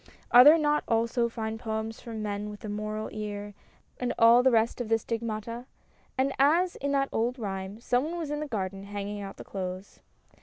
(Are there not also fine poems from men with the morel ear and all the rest of the stigmata ?) And, as in that old rhyme, someone was in the garden hanging out the clothes.